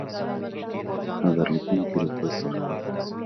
خبر لیکونکي رپوټ ورکړ.